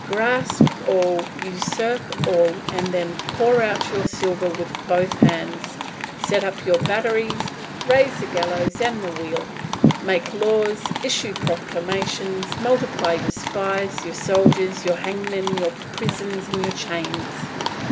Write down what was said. Grasp all, usurp all, and then pour out your silver with both hands; set up your batteries, raise the gallows and the wheel; make laws, issue proclamations, multiply your spies, your soldiers, your hangmen, your prisons, and your chains.